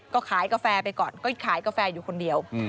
ก็ขายกาแฟไปก่อนก็ขายกาแฟอยู่คนเดียว